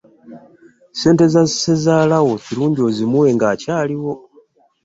Ssente za ssezaala wo kirungi ozimuwe ng'akyali mulamu.